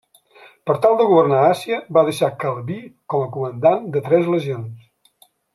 Per tal de governar Àsia, va deixar Calví com a comandant de tres legions.